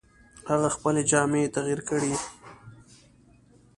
هغه خپلې جامې تغیر کړې.